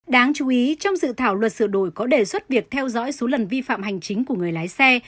đáng chú ý trong dự thảo luật sửa đổi có đề xuất việc theo dõi số lần vi phạm hành chính của người lái xe